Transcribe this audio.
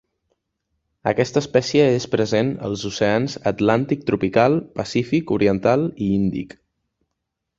Aquesta espècie és present als oceans Atlàntic tropical, Pacífic oriental i Índic.